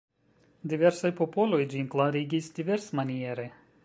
Diversaj popoloj ĝin klarigis diversmaniere.